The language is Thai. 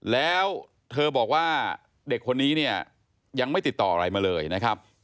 แล้วเธอบอกว่าเด็กคนนี้เนี่ยยังไม่ติดต่ออะไรมาเลยนะครับ